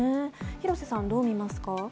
廣瀬さん、どうみますか？